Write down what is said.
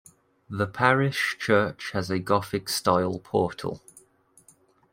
The parish church has a Gothic-style portal.